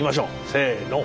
せの。